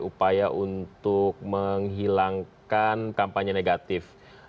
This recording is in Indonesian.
upaya untuk menghilangkan kampanye negatif